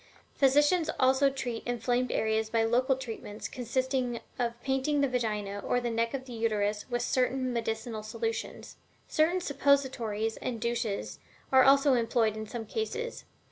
Physicians also treat inflamed areas by local treatments consisting of painting the Vagina or neck of the Uterus with certain medicinal solutions. Certain suppositories and douches are also employed in some cases.